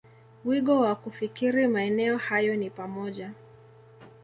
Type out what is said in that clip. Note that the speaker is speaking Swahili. wigo wa kufikiri Maeneo hayo ni pamoja